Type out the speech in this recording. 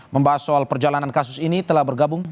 membahas soal perjalanan kasus ini telah bergabung